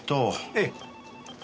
ええ。